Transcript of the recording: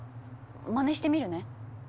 まねしてみるね。